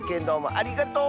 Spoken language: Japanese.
ありがとう！